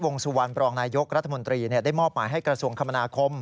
สุวรรณบรองนายยกรัฐมนตรีได้มอบหมายให้กระทรวงคมนาคม